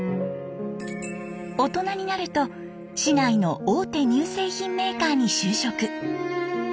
大人になると市内の大手乳製品メーカーに就職。